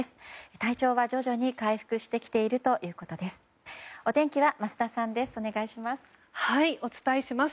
体調は徐々に回復してきているということです。